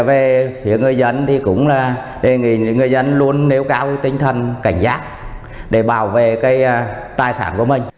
về phía người dân thì cũng là người dân luôn đeo cao tính thần cảnh giác để bảo vệ tài sản của mình